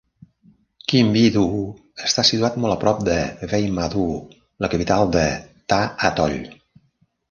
Kinbidhoo està situat molt a prop de Veymadoo, la capital de Tha Atoll.